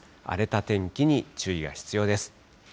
荒れた天気に注意が必要です。